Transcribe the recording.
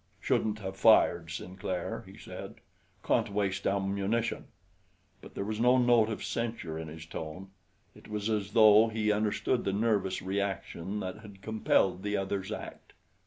"Shouldn't have fired, Sinclair," he said; "can't waste ammunition." But there was no note of censure in his tone. It was as though he understood the nervous reaction that had compelled the other's act.